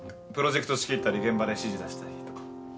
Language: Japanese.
プロジェクト仕切ったり現場で指示出したりとか。